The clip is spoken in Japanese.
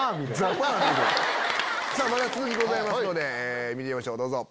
まだ続きございますので見てみましょうどうぞ。